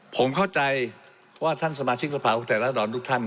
ผมเข้าใจว่าท่านสมาชิกสภาพุทธแห่งรัฐดรทุกท่าน